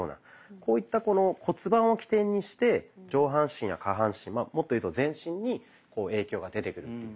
こういった骨盤を起点にして上半身や下半身もっというと全身に影響が出てくるっていう。